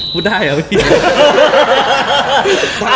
พูดได้เหรอพี่